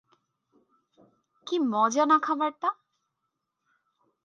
কী মজা না খাবারটা?